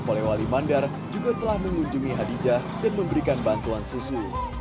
kepoleh wali mandar juga telah mengunjungi hadija dan memberikan bantuan susu